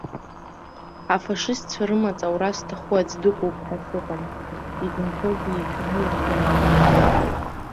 Афашистцәа рымаҵ аура зҭаху аӡә дыҟоуп ҳәа сыҟам, изымҳәогьы ишәаны ирҳәом акәымзар.